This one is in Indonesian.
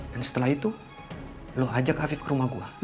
dan setelah itu lo ajak afif pergi dari sini